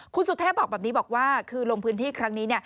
คุณสุเทพบอกแบบนี้บอกว่าคือลงพื้นที่ครั้งนี้